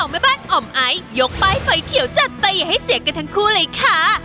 แม่บ้านอ่อมไอซ์ยกป้ายไฟเขียวจัดตีให้เสียกันทั้งคู่เลยค่ะ